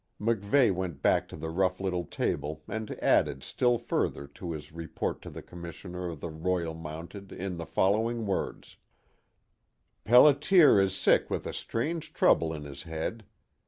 MacVeigh went back to the rough little table and added still further to his report to the Commissioner of the Royal Mounted in the following words: "Pelliter is sick with a strange trouble in his head.